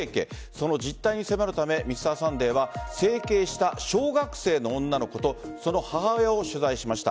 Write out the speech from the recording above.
その実態に迫るため「Ｍｒ．サンデー」は整形した小学生の女の子とその母親を取材しました。